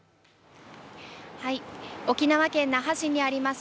沖縄県那覇市にあります